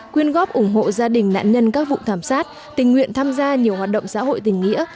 quyên góp ủng hộ gia đình nạn nhân các vụ thảm sát tình nguyện tham gia nhiều hoạt động xã hội tình nghĩa